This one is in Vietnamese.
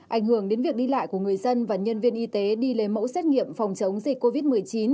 ảnh hưởng đến việc đi lại của người dân và nhân viên y tế đi lấy mẫu xét nghiệm phòng chống dịch covid một mươi chín